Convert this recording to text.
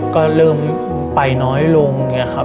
ก็เริ่มไปน้อยลง